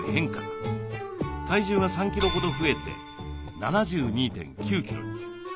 体重が３キロほど増えて７２．９キロに。